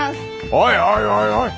おいおいおいおい！